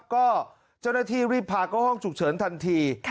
ก็เจ้าหน้าที่รีบพาเข้าห้องฉุกเฉินทันที